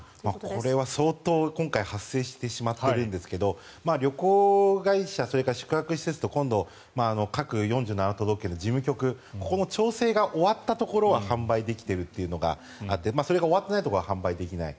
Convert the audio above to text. これは相当今回発生してしまっているんですが旅行会社それから宿泊施設と今度、各４７都道府県の事務局ここの調整が終わったところは販売できているというのがあってそれが終わっていないところは販売できない。